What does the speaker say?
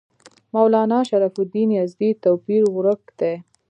مولنا شرف الدین یزدي توپیر ورک دی.